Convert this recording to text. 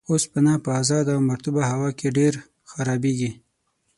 اوسپنه په ازاده او مرطوبه هوا کې ډیر خرابیږي.